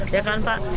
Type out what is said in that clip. ya kan pak